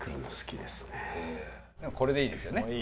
これでいいですよね。